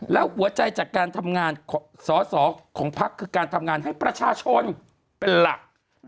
แล้วหัวใจจากการทำงานสอสอของพักคือการทำงานให้ประชาชนเป็นหลัก